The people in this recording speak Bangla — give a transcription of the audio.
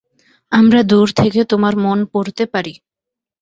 আমরা দূর থেকে তোমার মন পড়তে পারি।